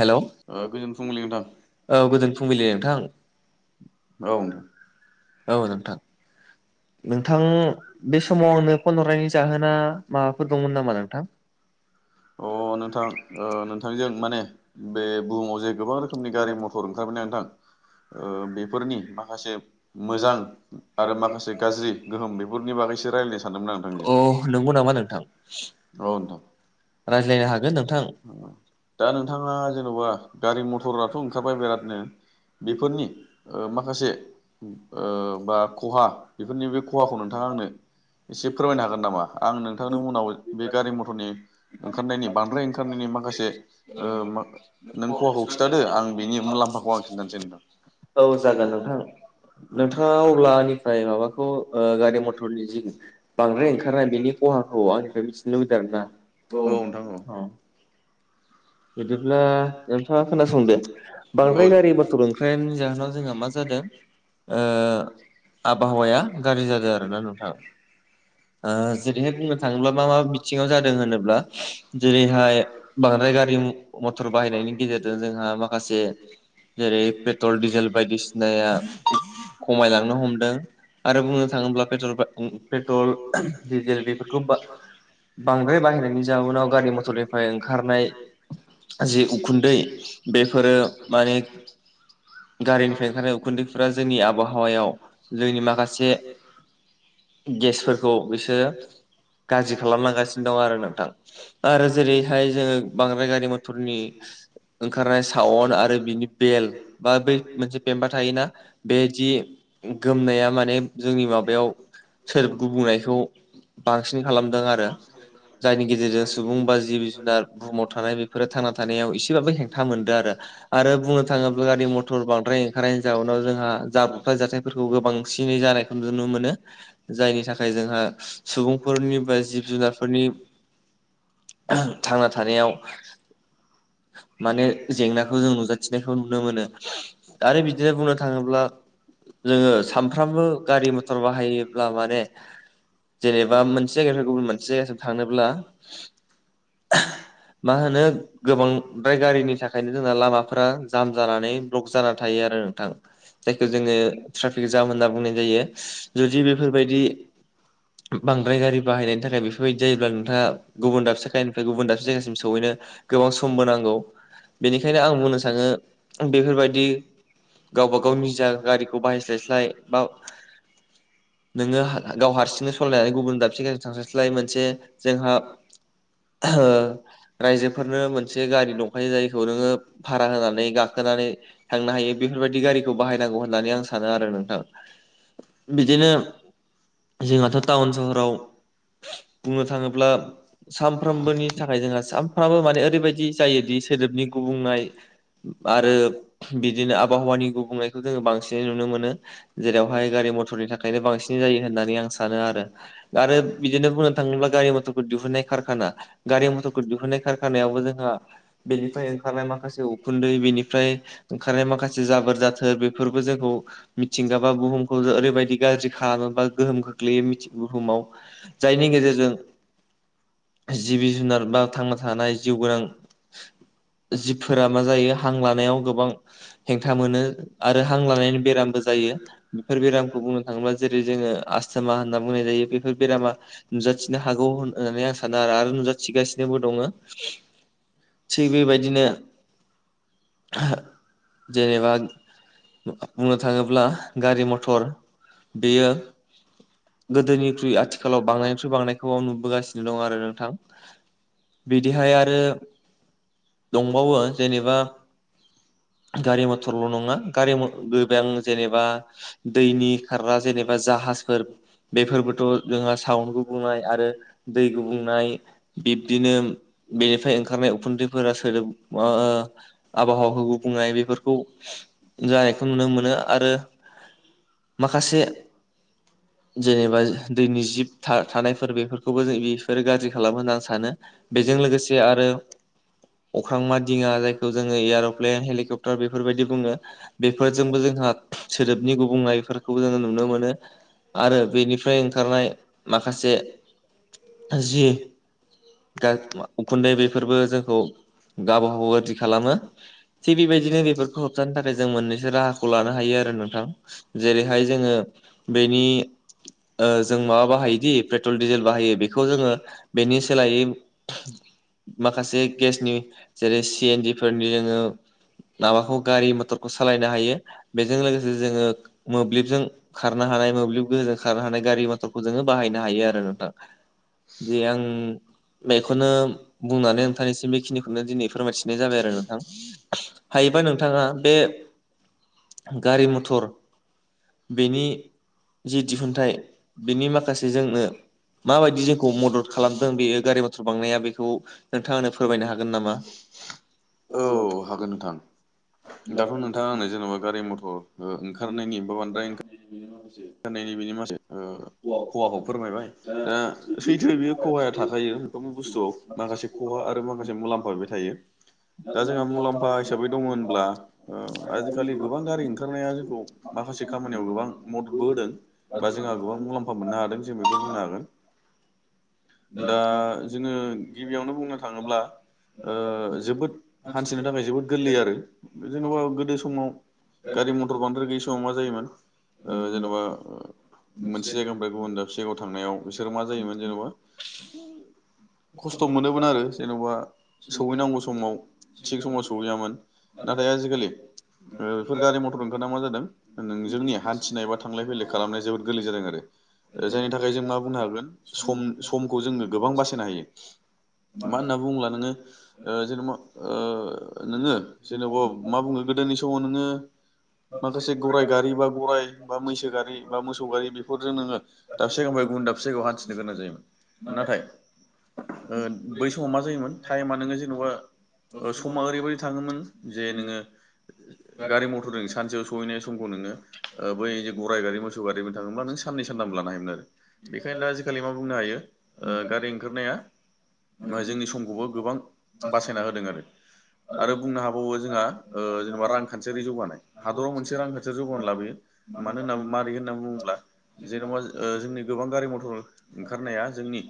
Hello औ गोजोन फुंबिलि नोंथां गोजोन फुंबिलि नोंथां औ औ औ नोंथां। नोंथां बे समाव आंनो फन हरनायनि जाहोना माबाफोर दंमोन नामा नोंथां। अ नोंथां ओ नोंथांजों माने बे बुहुमाव जे गोबां रोखोमनि गारि मथर ओंखारबायना नोंथां ओ बेफोरनि माखासे मोजां आरो माखास अ सानदोंमोन आं नोंथांजों औ नंगौ नामा नोंथां नोंथां रायज्लायनो हागोन नोंथां औ दा नोंथाङा जेन'बा गारि मथराथ' ओंखारबाय बिरादनो बेफोरनि ओ माखासे ओ बा खहा बेफोरनि बे खहाखौ नोंथाङा आंनो एसे फोरमायनो हागोन नामा आं नोंथांनि उनाव बे गारि मथरनि ओंखारनायनि बांद्राय ओंखारनायनि माखासे ओ नों खहाखौ खिन्थादो आं बिनि मुलाम्फाखौ आं खिन्थानोसै नोंथां जागोन नोंथां। अ गारि मथरनि जिं बांद्राय ओंखारनाय बेनि खहाखौ आंनिफ्राय मिथिनो लुबैदों आरो ना औ अह बिदिब्ला एोंथाङा खोनासंदो औ बांद्राय गारि बथर ओंखारनायनि जाहोनाव जोंहा मा जादों आबहावाया गाज्रि जादों आरो ना नोंथाङा जेरैहाय बुंनो थाङोब्ला मा मा बिथिङाव जादों होनोब्ला जेरैहाय बांद्राय गारि म मटर बाहायनायनि गेजेरजों जोंहा माखासे जेरै पेट्रल डिजेल बायदिसिनाया खमायलांनो हमदों आरो बुंनो थाङोब्ला पेट्रल डिजेल बेफोरखौ बांद्राय बाहायनायनि जाउनाव गारि मटरनिफ्राय ओंखारनाय जि उखुन्दै बेफोरो माने गारिनिफ्राय ओंखारनाय उखुन्दैफोरा जोंनि आबहावायाव जोंनि माखास से गेसफोरखौ बिसोरो गाज्रि खालामलांगासिनो दं आरो नोंथां आरो जेरैहाय जोंङो बां बांद्राय गारि मथरनि ओंखारनाय सावन आरो बिनि बेल बा बै मोनसे पेम्पा थायोना बेदि गोमनाया माने जोंनि माबायाव सोर गुबुंनायखौ बांसिन खालामदों आरो जायनि गेजेरजों सुबुं बा जिब जुनार बुहुमाव थानाय बेफोरो थांना थानायाव एसेबाबो हेंथा मोनदों आरो बुंनो थाङोब्ला गारि मटर बांद्राय ओंखारनायनि जाउनाव जोंहा जाब्रबाय जाथायफोरखौ गोबांसिनै जानाय नुनो मोनो जायनि थाखाय जोंहा सुबुंफोरनि बा जिब जुनारफोरनि थांना थानायाव माने जेंनाखौ जों नुजाथिनायखौ नुनो मोनो आरो बिदिनो बुंनो थाङोब्ला जोङो सामफ्रामबो गारि मथर बाहायोब्ला माने जेनेबा मोनसे जायगानिफ्राय गुबुन मोनसे जायगासिम थांनोब्ला मा होनो गोबांद्राय बेनि थाखायनो जोंना लामाफोरा जाम जानानै ब्लक जानानै थायो आरो नोंथां जायखौ जोङो ट्राफिक जाम होनना बुंनाय जायो। जुदि बेफोरबायदि बांद्राय गारि बाहायनायनि थाखाय बेफोरबायदि जायोब्ला नोंथाङा गुबुन दाबसे जायखायानिफ्राय गुबुन दाबसे जायगासिम सौहैनो गोबां सम नांगोन। गौ बेनिखायनो आं बुंनो सानो बेफोरबायदि गावबा गाव निजा गारिखौ बाहायस्लायस्लाय बा नोङो गाव हारसिंनो सालायनानै गुबुन दाबसे गेजेरजों थांस्लायस्लाय मोनसे जोंहा ओ रायजोफोरनो मोनसे गारि दंखायो जायखौ नोङो भारा होनानै गाखोनानै थांनो हायो बेफोरबायदि गारिखौ बाहायनांगौ होननानै आं सानो आरो नोंथां। बिदिनो जोंहाथ' टाउन सहराव बुंनो थाङोब्ला सानफ्रामबोनि थाखाय जोंहा सानफ्रामबो माने ओरैबायदि जाय सोदोबनि गुबुंनाय आरो बिदिनो आबहावानि गुबुंनायखौ जोङो बांसिनै नुनो मोनो जेरावहाय गारि मथरनि थाखायनो बांसिन जायो होननानै आं सानो आरो आरो बिदिनो बुंनो थाङोब्ला गारि मथरखौ दिहुननाय कारखाना गारि मथरखौ दिहुननाय कारखानायावबो जोंहा बेनिफ्राय ओंखारनाय माखासे उखुन्दै बेनिफ्राय ओंखारनाय माखासे जाबोर जाथोर बेफोरबो जोंखौ मिथिंगा बा बुहुम ओरैबायदि गाज्रि खालामो बा गोहोम खोख्लैयो मिथिं बुहुमाव जायनि गेजेरजों जिबि जुनार बा थांना थानाय जिउ गोनां जिबफोरा मा जायो हां लानायाव गोबां हेंथा मोनो आरो हां लानायनि बेरामबो जायो। बेफोर बेरामखौ बुंनो थाङोब्ला जेरै जोङो आस्थमा होनना बुंनाय जायो बेफोर बेरामा नुजाथिनो हागौ होननानै आं सानो आरो आरो नुजाथिगासिनोबो दङ। थिग बेबायदिनो [inaudible] जेनेबा बुंनो थाङोब्ला गारि मथर बेयो गोदोनिख्रुइ आथिखालाव बांनायनिख्रुइ बांनायखौ नुबोगासिनो दं आरो नोंथां। बिदिहाय आरो दंबावो जेनेबा गारि मथरल' नङा गारि गोबां जेनेबा दैनि खारग्रा जेनेबा जाहाजफोर बेफोरबोथ' जोंहा सावन गुबुंनाय आरो दै गुबुंनाय बिब्दिनो बेनिफ्राय ओंखारनाय उखुन्दै फोर ओ सोदोब आबहावाखौ गुबुंनाय बेफोरखौ जानायखौ नुनो मोनो आरो माखासे जेनेबा दैनि जिब थानायफोर बेफोरखौबो जों बेफोरो गाज्रि खालामो होनना आं सानो बेजों लोगोसे आरो अख्रांमा दिङा जायखौ जोङो एयर'प्लेन हेलिकप्टार बेफोरबायदि बुङो बेफोरजोंबो जोंहा सोदोबनि गुबुंनायफोरखौ जोङो नुनो मोनो आरो बेनिफ्राय ओंखारनाय माखासे जि उखुन्दै बेफोरबो जों खौ गावबा गाव गाज्रि खालामो थिग बेबायदिनो बेफोरखौ होबथानो थाखाय जों मोननैसो राहाखौ लानो हायो‌ आरो। नोंथां जेरैहाय जोङो बेनि ओ जों माबा बाहायोदि पेट्रल डिजेल बाहायो बेखौ जोङो बेनि सोलायै खासे गेसनि जेरै सि एनडि फोरनि [unintelligible] माबाखौ गारि मथरखौ सालायनो हायो बेजों लोगो जे जोंङो मोब्लिबजों खारनो हानाय मोब्लिब गोहोजों खारनो हानाय गारि मथरखौ जोङो बाहायनो हायो आरो नोंथां बेयो आं बेखौनो। बुंनानै नोंथांनिसिम बेखिनिखौनो दिनै फोरमायथिनाय जाबाय आरो नोंथां हायोबा नोंथाङा बे गारि मथर बेनि जि दिहुनथाइ बेनि माखासे जोंनो माबायदि जोंखौ मदद खालामदों बेयो गारि मथर बा [unintelligible] बेखौ नोंथाङा आंनो फोरमायनो हा औ हागोन नोंथां दाथ' नोंथाङा आंनो जेन'बा गारि मथर [unintelligible] ओ ओंखारनायनि बा बांद्राय नायनि बेनि माखासे ओ खहाखौ फोरमायबाय दा सैथो बेयो खहाया थाखायो मोनफ्रोमबो बुस्थुआव माखासे खहा आरो माखासे मुलाम्फा बे थायो दा जोंहा मुलाम्फा हिसाबै दङ होनब्ला ओ आजिखालि गोबां। बां गारि ओंखारनाया जोंखौ माखासे खामानियाव गोबां मद बो होदों बा जोंहा गोबां मुलाम्फा मोननो हादों जों बेखौ बुंनो हागोन दा जोङो गिबियावनो बुंनो थाङोब्ला ओ जोबोद हान्थिनो थाखाय जोबोद गोरलै आरो जेन'बा गोदो समाव गारि मथर बांद्राय गैयै समाव मा जायोमोन। ओ जेन'बा मोनसे जायगानिफ्राय गुबुन दाबसे जायगायाव थांनायाव बिसोरो मा जायोमोन जेन'बा। खस्थ' मोनोमोन आरो जेन'बा सहैनांगौ समाव थिग समाव सहैयामोन नाथाय आजिखालि ओ बेफोर गारि मथर ओंखारा मा जादों नों जोंनि हा थिनाय बा थांलाय फैलाय खालामनाया जोबोद गोरलै जादों आरो जायनि थाखाय जों मा बुंनो हागोन सम समखौ जोङो गोबां बासायनो हायो। मा होनना बुंङोब्ला नोङो ओ जेनेबा ओ नोङो जेनेबा मा बुङो गोदोनि समाव नोङो माखासे गौराइ गारि बा गराइ बा मैसो गारि बा मोसौ गारि बेफोरजों नोङो दाबसे जायगानिफ्राय गुबुन दाबसे जायगायाव हान्थिनो गोनां जायोमोन नाथाय। ओ बै समाव मा जायोमोन टाइमा नोङो जेन'बा समा ओरैबायदि थाङोमोन जे नोङो गारि मथर जों सानसेयाव सहैनाय समखौ नोङो। ओ बैे गराइ गारि मोसौ गारिजो थाङोबा नों साननै सानथाम लानो हायोमोन आरो बेखायनो दा आजिखालि मा बुंनो हायो ओ गारि ओंखारनाया जोंनि समखौबो गोबां बासायना होदों आरो आरो बुंनो हाबावो जोंहा ओ जेनेबा रांखान्थियारि जौगानाय हादराव मोनसे रांखान्थियारि जौगानाय लाबोयो। मानो होनना मारै होनना बुङोब्ला जेनेबा ओ जोंनि गोबां गारि मथर ओंखारनाया जोंनि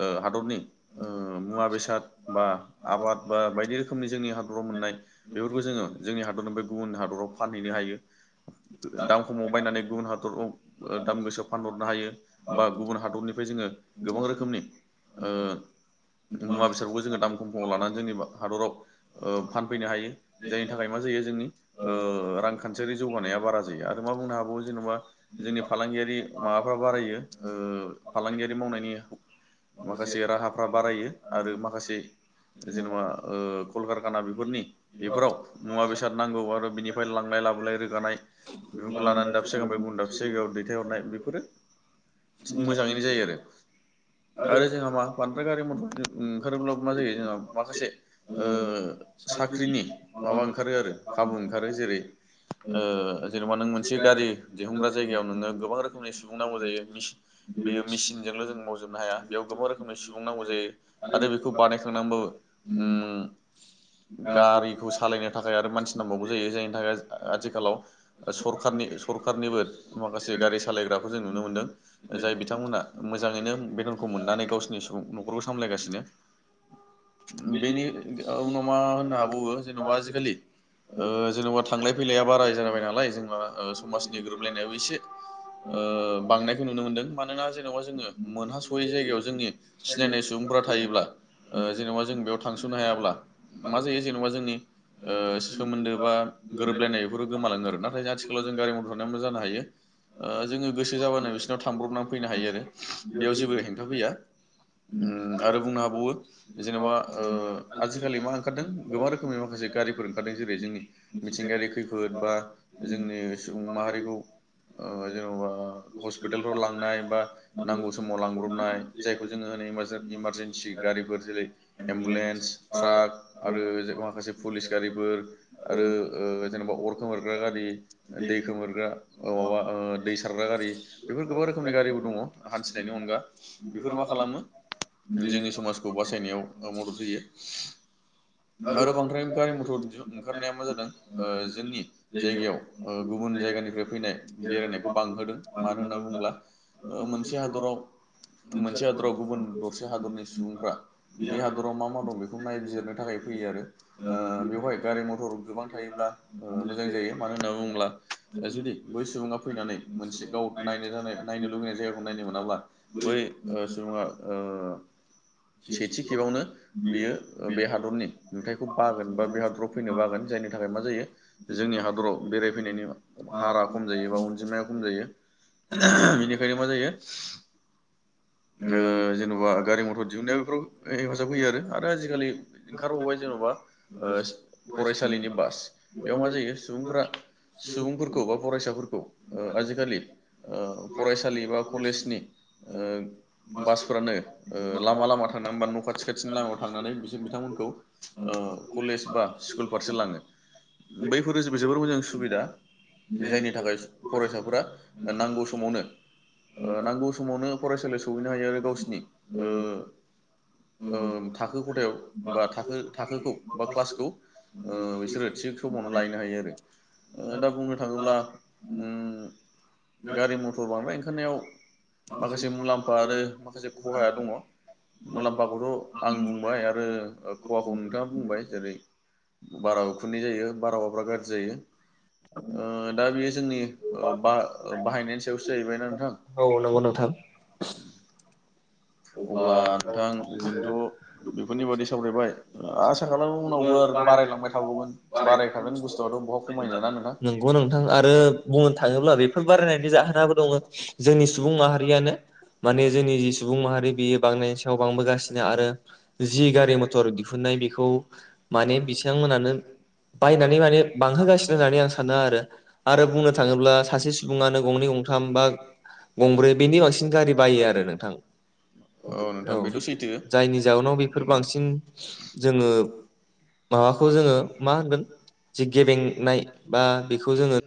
ओ हादरनि ओ मुवा बेसाद बा आबाद बा बायदि रोखोमनि जोंनि हादराव मोननाय बेफोरखौ जोङो। जोंनि हादरनिफ्राय गुबुन हादराव फानहैनो हायो। दाम खमाव बायनानै गुबुन हादराव ओ दाम गोसोआव फानहरनो हायो बा गुबुन हादरनिफ्राय जोङो गोबां रोखोमनि ओ मुवा बेसादफोरखौ जोङो दाम खम खमाव लानानै जोंनि हादराव ओ फानफैनो हायो जायनि थाखाय। मा जायो जोंनि ओ रांखान्थियारि जौगानाया बारा जा आरो मा बुंनो हाबावो जेनेबा जोंनि फालांगियारि माबाफ्रा बारायो ओ फालांगियारि मावनायनि माखासे राहाफ्रा बारायो आरो माखासे जेनेबा ओ कल खारखाना बेफोरनि बेफोराव। मुवा बेसाद नांगौ आरो बिनिफ्राय लांलाय लाबोलाय रोगानाय। बेफोरखौ लानानै दाबसे जायगानिफ्राय गुबुन दाबसे जायगायाव दैथायहरनाय बेफोरो मोजाङैनो जायो आरो आरो जोंहा मा बांद्राय गारि मथर ओंखारोब्ला मा जायो जोंहा माखासे ओ साख्रिनि माबा ओंखारो आरो खाबु ओंखारो जेरै ओ जेन'बा नों मोनसे गारि दिहुनग्रा जायगायाव नोङो गोबां रोखोमनि सुबुं नांगौ जायो बेयो मिसिनजोंल' जों मावजोबनो हाया बेयाव गोबां रोखोमनि सुबुं नांगौ जायो आरो बेखौ बानायखांनानैबाबो उम गारिखौ सालायनो थाखाय आरो मानसि नांबावगौ जायो जायनि थाखाय आथिखालाव सरखारनि सरखारनिबो माखासे गारि सालायग्राखौ जों नुनो मोनदों जाय बिथांमोनहा मोजाङैनो बेथनखौ मोननानै गावसोरनि सुबुं न'खरखौ सामलायगासिनो। बेनि ओ उनाव मा होननो हाबावो जेनेबा आजिखालि ओ जेन'बा थांलाय फैलाया बाराय जाबाय नालाय। ओ ओ समासनि गोरोबलायनायाव एसे ओ बांनायखौ नुनो मोनदों मानोना जेनबा जोङो मोनहासयै जायगायाव जोंनि सिनायनाय सुबुंफोरा थायोब्ला ओ जेनबा जों बेयाव थांस'नो हायाब्ला मा जायो जेन'बा जोंनि ओ सोमोन्दो बा गोरोबलायनाय बेफोरो गोमालाङो आरोना। नाथाय आथिखालाव जों गारि मथर थानायाव मा जानो हायो ओ जोङो गोसो जाबानो बिसोरनाव थांब्रबनानै फैनो हायो आरो बेयाव जेबो हेंथा फैया उम आरो बुंनो हाबावो जेन'बा ओ आजिखालि मा ओंखारदों गोबां रोखोमनि माखासे गारिफोर ओंखारदों जेरै जोंनि मिथिंगायारि खैफोद बा जोंनि सुबुं माहारिखौ ओ जेन'बा हस्पितालफ्राव लांनाय बा नांगौ समाव लांब्रबनाय जायखौ जोङो होनै इमारजेन्सि गारिफोर जेरै एम्बुलेन्स, सार्क आरो जेन'बा माखासे फुलिस गारिफोर आरो ओ जेन'बा अर खोमोरग्रा गारि दै दै खोमोरग्रा औ माबा ओ दै सारग्रा गारि बेफोर गोबां रोखोमनि गारिबो दङो हान्थिनायनि अनगा बेफोर मा खालामो जोंनि समाजखौ बासायनायनो मदद होयो आरो बांद्राय निफ्राय मथर दिहुन ओंखारनाया मा जादों ओ जोंनि, जायगायाव ओ गुबुन जायगानिफ्राय फैनाय बेरायनायखौ बांहोदों मानो होनना बुङोब्ला मोनसे हादराव मोनसे हादराव गुबुन दरसे हादरनि सुबुंफ्रा बे हादराव मा मा दं बेखौ नायबिजिरनो थाखाय फैयो आरो ओ बेवहाय गारि मथर गोबां थायोब्ला ओ मोजां जायो मानो होनना बुङोब्ला जुदि बै सुबुङा फैनानै मोनसे गाव नायनो जानाय नायनो लुबैनाय जायगाखौ नायनो मोनाब्ला बै सुबुङा सेथि खेबावनो बियो बे हादरनि नुथायखौ बागोन बा बे हादराव फैनो बागोन जायनि थाखाय मा जायो जोंनि हादराव बेरायफैनायनि हारा खम जायो बा अनजिमाया खम जायो बेनिखायनो मा जायो ओ जेन'बा गारि मथर दिहुनन्नाया बेफोराव हेफाजाब होयो आरो आजिखालि ओंखारबावबाय जेन'बा ओ फरायसालिनि बास बेयाव मा जायो सुबुंफोरा सुबुंफोरखौ बा फरायसाफोरखौ ओ आजिखालि ओ फरायसालि बा कलेजनि ओ बासफ्रानो ओ लामा लामा थांनानै बा न' खाथि -खाथिनि लामायाव थांनानै बिसोर बिथांमोनखौ कलेज बा स्कुल फारसे लाङो। बैफोर जोबोर जोबोर मोजां सुबिदा जायनि थाखाय फरायसाफोरा नांगौ समावनो नांगौ समावनो फरायसालि सहैनो हायो आरो गावसिनि ओ ओ थाखो खथायाव बा थाखो थाखोखौ बा क्लासखौ ओ बिसोरो थि समावनो लायनो हायो आरो दा बुंनो थाङोब्ला ओम गारि मथर बांद्राय ओंखारनायाव माखासे मुलाम बा आरो माखासे खहाया दङ मुलाम्फाखौथ' आं बुंबाय आरो खहाखौ नोंथाङा बुंबाय जेरै बारा उखुन्दै जायो। बारहावाब्रा गाज्रि जायो। ओ दा बेयो जोंनि ओ बा बाहायनायनि सायावसो जाहैबायना नोंथां। औ नंगौ नोंथां अब्ला नोंथां जोंथ' बेफोरनि बादै सावरायबाय आसा खालामो उनावबो आरो बारायलांबाय थाबावगोन बारायखागोन बुस्थुआथ' बहा खमायनो ना नोंथां नंगौ नोंथां आरो बुंनो थाङोब्ला बेफोर बारायनानै जाहोनाबो दङ जोंनि सुबुं माहारियानो माने जोंनि जि सुबुं माहारि बियो बांनायनि सायाव बांबोगासिनो आरो जि गारि मथर दिहुननाय बेखौ माने बिसांमोनानो बायनानै माने बांहोगासिनो होननानै आं सानो आरो आरो बुंनो थाङोब्ला सासे सुबुङानो गंनै गंथाम बा गंब्रै बेनि बांसिन गारि बायो आरो नोंथां। औ नोंथां बेथ' सैथो जायनि जाउनाव बेफोर बांसिन जोङो माबाखौ जोङो मा होनगोन जि गेबेंनाय बा बेखौ जोङो